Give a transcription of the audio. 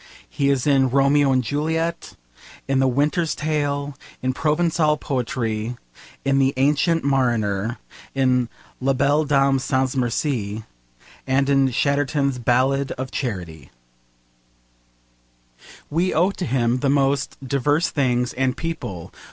He is in Romeo and Juliet, in the Winter's Tale, in Provencal poetry, in the Ancient Mariner, in La Belle Dame sans merci, and in Chatterton's Ballad of Charity. We owe to him the most diverse things and people.